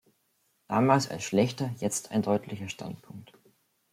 Damals ein schlechter, jetzt ein deutlicher Standpunkt.